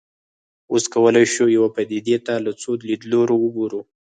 اوس کولای شو یوې پدیدې ته له څو لیدلوریو وګورو.